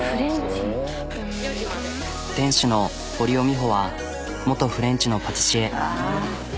店主の堀尾美穂は元フレンチのパティシエ。